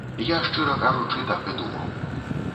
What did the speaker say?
Я, шчыра кажучы, так і думаў.